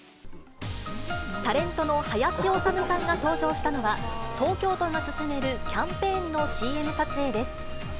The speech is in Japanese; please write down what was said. タレントの林修さんが登場したのは、東京都が進めるキャンペーンのＣＭ撮影です。